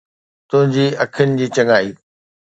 تنهنجي اکين جي چڱائي